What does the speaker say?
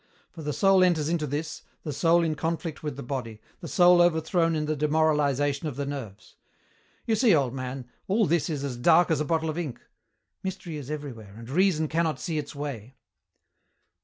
For the soul enters into this, the soul in conflict with the body, the soul overthrown in the demoralization of the nerves. You see, old man, all this is as dark as a bottle of ink. Mystery is everywhere and reason cannot see its way."